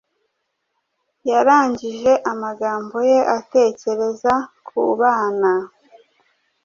Yarangije, amagambo ye atekereza kubana